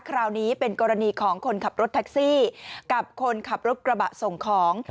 คราวนี้เป็นกรณีของคนขับรถแท็กซี่กับคนขับรถกระบะส่งของ